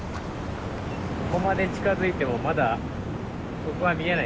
ここまで近づいてもまだ底が見えないっすね。